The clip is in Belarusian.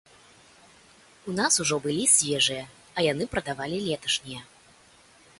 У нас ужо былі свежыя, а яны прадавалі леташнія.